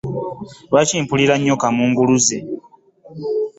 Lwaki mpulira nnyo kamunguluze?